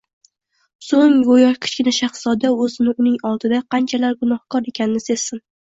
so‘ng go‘yo Kichkina shahzoda, o‘zini uning oldida qanchalar gunohkor ekanini sezsin